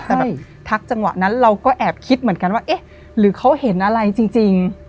แต่แบบทักจังหวะนั้นเราก็แอบคิดเหมือนกันว่าเอ๊ะหรือเขาเห็นอะไรจริง